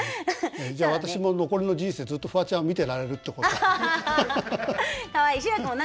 じゃあ私も残りの人生ずっとフワちゃん見てられるってことだ。